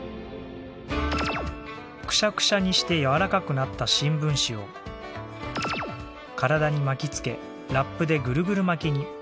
くしゃくしゃにして柔らかくなった新聞紙を体に巻き付けラップでぐるぐる巻きに。